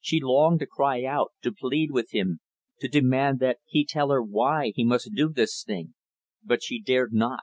She longed to cry out, to plead with him, to demand that he tell her why he must do this thing; but she dared not.